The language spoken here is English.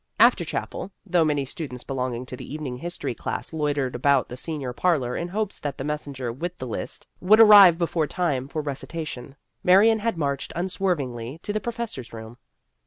After Chapel, though many students belonging to the evening history class loitered about the senior parlor in hopes that the messenger with the list would arrive before time for recitation, Marion had marched unswervingly to the professor's room.